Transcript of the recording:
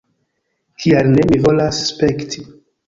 Kial ne? Mi volas spekti